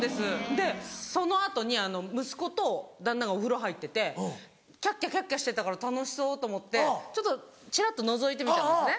でその後に息子と旦那がお風呂入っててキャッキャキャッキャしてたから楽しそうと思ってちょっとチラっとのぞいてみたんですね。